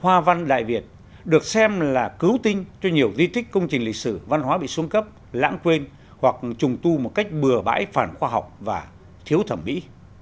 hoa văn đại việt được xem là cứu tinh cho nhiều di tích công trình lịch sử văn hóa bị xuống cấp lãng quên hoặc trùng tu một cách bừa bãi phản khoa học và thiếu thẩm mỹ